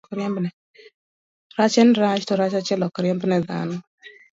Rach en rach, to rach achiel ok riembne dhano.